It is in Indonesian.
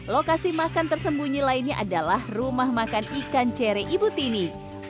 lokasi makan tersembunyi lainnya adalah rumah makan ikan cere ibu tini